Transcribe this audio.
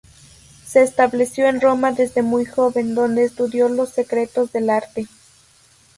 Se estableció en Roma desde muy joven, donde estudió los secretos del arte.